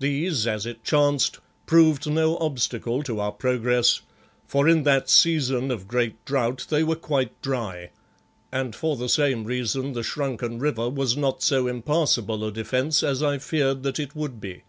These, as it chanced, proved no obstacle to our progress, for in that season of great drought they were quite dry, and for the same reason the shrunken river was not so impassable a defence as I feared that it would be.